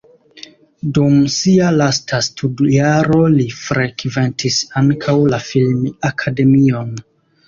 Dum sia lasta studjaro li frekventis ankaŭ la film-akademion.